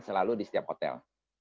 selalu disiap hotel